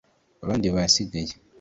abandi basigaye